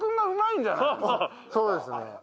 そうですね。